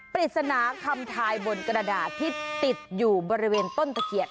ปริศนาคำทายบนกระดาษที่ติดอยู่บริเวณต้นตะเขียน